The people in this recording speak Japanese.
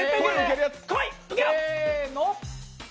せーの。